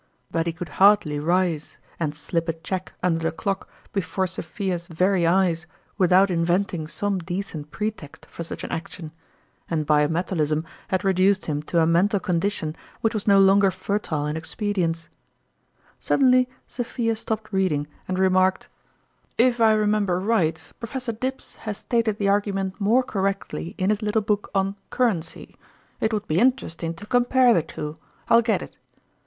But he could hardly rise and slip a cheque under the clock before Sophia's very eyes without inventing some decent pretext for such an action, and bi metal ism had reduced him to a mental condition which was no longer fertile in expedients. Suddenly Sophia stopped reading and re marked : 118 STottrmalitt's fEitne " If I remember right, Professor Dibbs lias stated the argument more correctly in his little book on Currency. It would be inter esting to compare the two ; I'll get it."